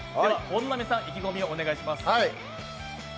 本並さん、意気込みをお願いします。